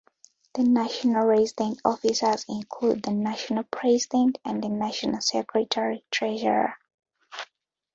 The national resident officers include the National President and the National Secretary-Treasurer.